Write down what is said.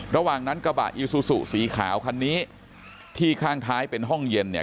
ระหว่างนั้นกระบะอีซูซูสีขาวคันนี้ที่ข้างท้ายเป็นห้องเย็นเนี่ย